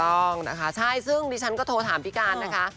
ต้องนะคะใช่ซึ่งดิฉันก็โทรถามพี่การนะคะ